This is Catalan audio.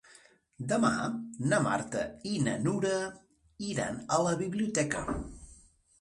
Demà na Marta i na Nura iran a la biblioteca.